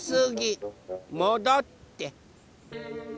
もどって。